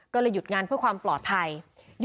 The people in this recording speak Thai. ก็เลยหยุดงานเพื่อความปลอดภัย